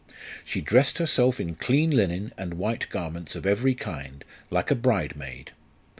She dressed herself in clean linen and white garments of every kind, like a bride maid.